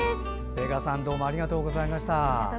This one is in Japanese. べがさんどうもありがとうございました。